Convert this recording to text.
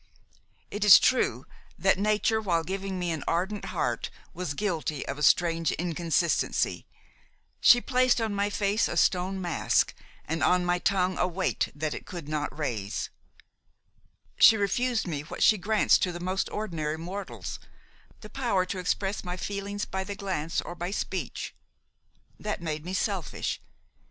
It is true that nature, while giving me an ardent heart, was guilty of a strange inconsistency; she placed on my face a stone mask and on my tongue a weight that it could not raise; she refused me what she grants to the most ordinary mortals, the power to express my feelings by the glance or by speech. That made me selfish.